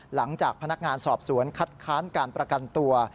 หลังจากพนักงานสอบสวนคัดค้านการประกันตัว